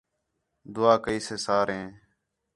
دُعا کَئی سے ساریں